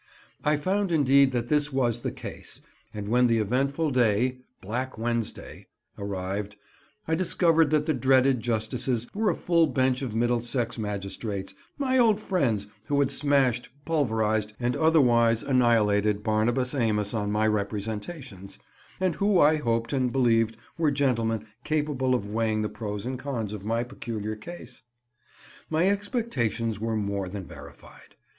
I found, indeed, that this was the case, and when the eventful day—Black Wednesday—arrived, I discovered that the dreaded justices were a full bench of Middlesex magistrates, my old friends who had smashed, pulverized, and otherwise annihilated Barnabas Amos on my representations, and who I hoped and believed were gentlemen capable of weighing the pros and cons of my peculiar case. My expectations were more than verified.